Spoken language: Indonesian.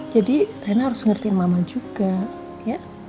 jadi reina harus ngertiin mama juga ya